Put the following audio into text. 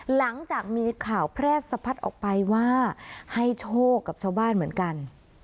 หลังจากมีข่าวแพร่สะพัดออกไปว่าให้โชคกับชาวบ้านเหมือนกัน